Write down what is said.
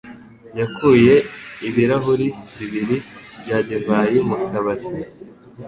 yakuye ibirahuri bibiri bya divayi mu kabari.